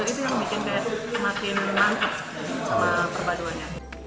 itu yang bikin saya semakin mantap sama perpaduannya